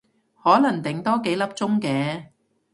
可能頂多幾粒鐘嘅